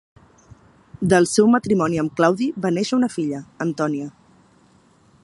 Del seu matrimoni amb Claudi va néixer una filla, Antònia.